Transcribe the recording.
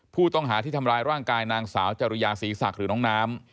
ผู้ต้องหาที่ทำร้ายร่างกายนางสาวจริยาศรีศักดิ์หรือน้องน้ำ